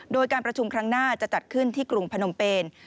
โดยการประชุมครั้งหน้าจะจัดขึ้นที่กรุงพนมเปน